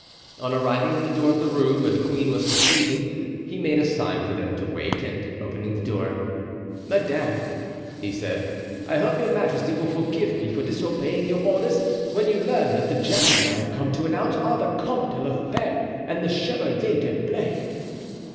On arriving at the door of the room where the queen was receiving he made a sign for them to wait and opening the door: "Madame," he said, "I hope your majesty will forgive me for disobeying your orders, when you learn that the gentlemen I have come to announce are the Comte de la Fere and the Chevalier d'Herblay."